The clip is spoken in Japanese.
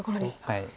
はい。